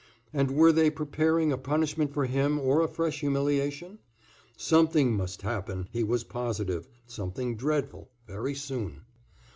And were they preparing a punishment for him or a fresh humiliation? Something must happen, he was positive, something dreadful, very soon.